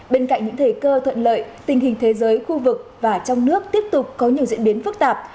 bên cạnh những thời cơ thuận lợi tình hình thế giới khu vực và trong nước tiếp tục có nhiều diễn biến phức tạp